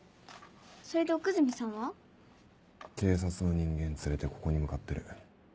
それで奥泉さんは？警察の人間連れてここに向かってる。